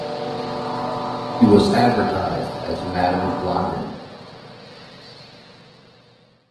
She was advertised as Madam Blondin.